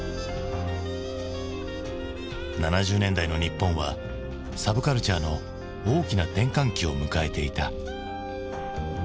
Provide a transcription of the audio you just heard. ７０年代の日本はサブカルチャーの大きな転換期を迎えていた。